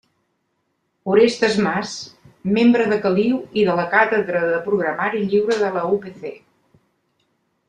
Orestes Mas, membre de Caliu i de la Càtedra de Programari Lliure de la UPC.